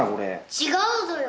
違うぞよ。